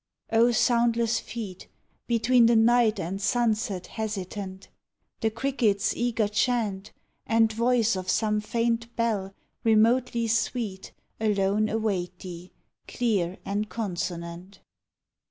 O soundless feet, Between the night and sunset hesitant! The cricket s eager chant And voice of some faint bell, remotely sweet, Alone await thee, clear and consonant.